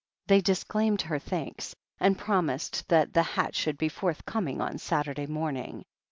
They disclaimed her thanks, and promised that the hat should be forthcoming on Saturday morning.